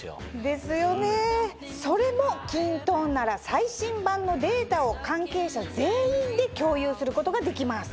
ですよねそれもキントーンなら最新版のデータを関係者全員で共有することができます。